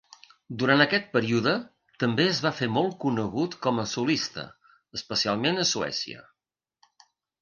Durant aquest període, també es va fer molt conegut com a solista, especialment a Suècia.